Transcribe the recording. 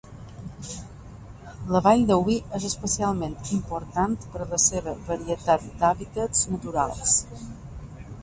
La Vall de Wye és especialment important per la seva varietat d'hàbitats naturals.